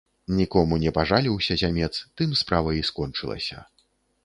Нікому не пажаліўся зямец, тым справа і скончылася.